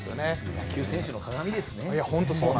野球選手のかがみですね。